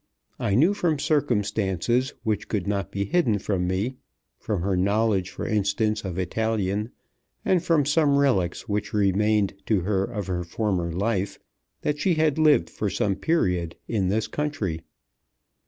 I knew from circumstances which could not be hidden from me, from her knowledge, for instance, of Italian, and from some relics which remained to her of her former life, that she had lived for some period in this country.